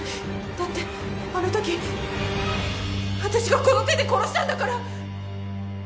だってあのとき私がこの手で殺したんだから！